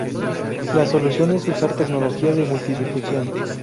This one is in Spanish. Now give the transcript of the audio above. La solución es usar tecnología de multidifusión.